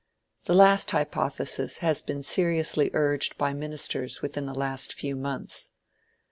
The last hypothesis has been seriously urged by ministers within the last few months.